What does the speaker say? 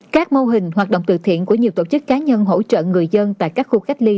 các mô hình hoạt động từ thiện của nhiều tổ chức cá nhân hỗ trợ người dân tại các khu cách ly